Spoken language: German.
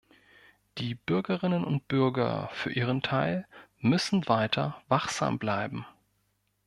Die Bürgerinnen und Bürger für ihren Teil müssen weiter wachsam bleiben.